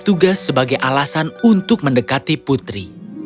tugas sebagai alasan untuk mendekati putri